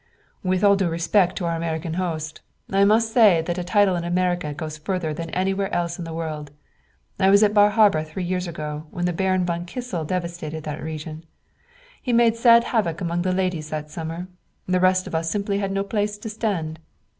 "With all due respect to our American host, I must say that a title in America goes further than anywhere else in the world. I was at Bar Harbor three years ago when the Baron von Kissel devastated that region. He made sad havoc among the ladies that summer; the rest of us simply had no place to stand.